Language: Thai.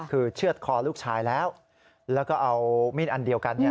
คือเชื่อดคอลูกชายแล้วแล้วก็เอามีดอันเดียวกัน